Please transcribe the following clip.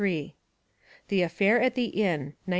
The Affair at the Inn, 1904.